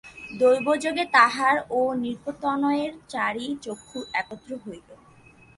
দৈবযোগে তাঁহার ও নৃপতনয়ের চারি চক্ষু একত্র হইল।